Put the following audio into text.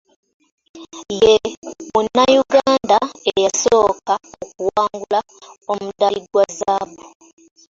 Ye Munnayuganda eyasooka okuwangula omudaali gwa zzaabu.